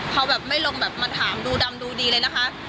เขาแบบไม่ลงแบบมาถามดูดำดูดีเลยนะคะ